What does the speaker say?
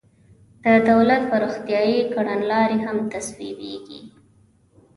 د دولت پرمختیایي کړنلارې هم تصویبیږي.